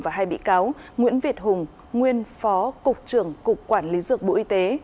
và hai bị cáo nguyễn việt hùng nguyên phó cục trưởng cục quản lý dược bộ y tế